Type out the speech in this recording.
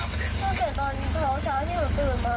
ตั้งแต่ตอนเช้าที่หนูตื่นมา